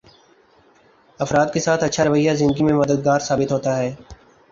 افراد کے ساتھ اچھا رویہ زندگی میں مددگار ثابت ہوتا ہے